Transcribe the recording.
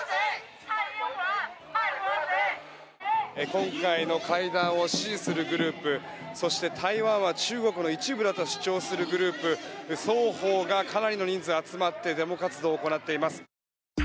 今回の会談を支持するグループそして、台湾は中国の一部だと主張するグループ双方がかなりの人数集まってデモ活動を行っています。